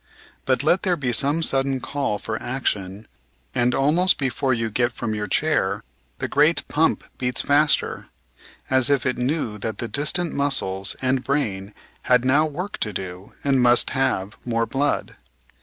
But let there be some sudden call for action, and almost before you get from your chair, the great pump beats faster, as if it knew that the distant muscles and brain had now work to do and must have more blood.